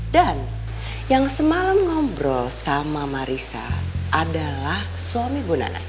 dan yang semalam ngobrol sama marissa adalah suami bu nana